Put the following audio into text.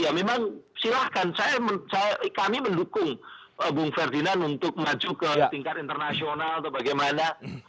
ya memang silahkan kami mendukung bung ferdinand untuk maju ke tingkat internasional atau bagaimana